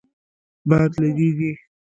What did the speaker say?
باد لږیږی